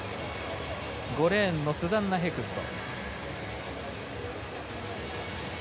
５レーンのスザンナ・ヘクスト。